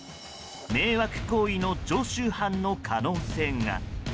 迷惑行為の常習犯の可能性が。